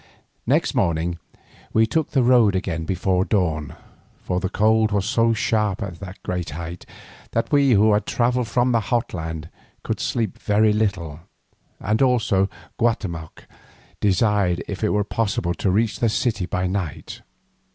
Next morning we took the road again before dawn, for the cold was so sharp at this great height that we, who had travelled from the hot land, could sleep very little, and also Guatemoc desired if it were possible to reach the city that night.